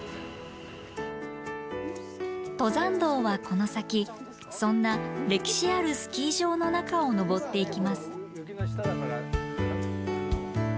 登山道はこの先そんな歴史あるスキー場の中を登っていきます。